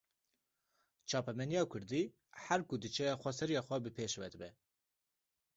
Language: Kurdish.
Çapemeniya kurdî, her ku diçe xweseriya xwe bi pêş ve dibe